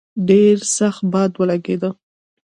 ډېر سخت باد ولګېد.